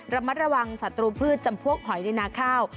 ระมัดระวังศัตรูพืชจำพวกหอยในนาข้าว